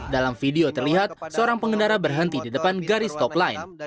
dalam video terlihat seorang pengendara berhenti di depan garis top line